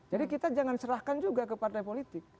jadi kita jangan serahkan juga ke partai politik